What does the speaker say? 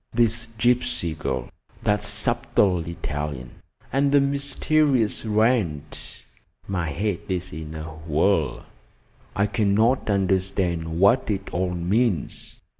this gypsy girl, that subtle Italian, and the mysterious Wrent! My head is in a whirl. I cannot understand what it all means.